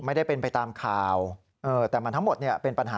ไม่ได้เป็นไปตามข่าวแต่มันทั้งหมดเนี่ยเป็นปัญหา